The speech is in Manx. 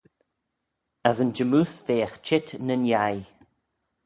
As yn jymmoose veagh çheet nyn yeih.